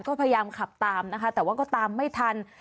ก็พยายามขับตามนะคะแต่ว่าก็ตามไม่ทัน